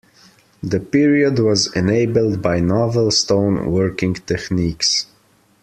The period was enabled by novel stone working techniques.